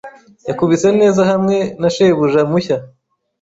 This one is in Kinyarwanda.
yakubise neza hamwe na shebuja mushya.